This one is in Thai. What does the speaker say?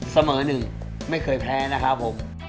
เสมอ๑ไม่เคยแพ้นะครับผม